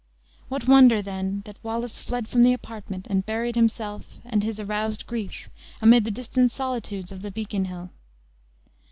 What wonder, then, that Wallace fled from the apartment, and buried himself, and his aroused grief, amid the distant solitudes of the beacon hill!